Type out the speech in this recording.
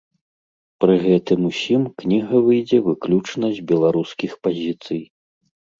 Пры гэтым усім кніга выйдзе выключна з беларускіх пазіцый.